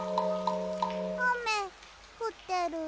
あめふってる。